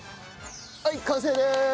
はい完成です。